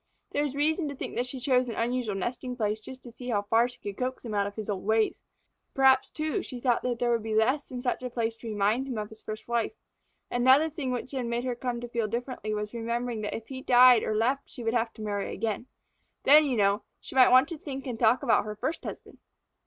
There is reason to think that she chose an unusual nesting place just to see how far she could coax him out of his old ways. Perhaps, too, she thought that there would be less in such a place to remind him of his first wife. Another thing which had made her come to feel differently was remembering that if he died or left her she would marry again. Then, you know, she might want to think and talk about her first husband.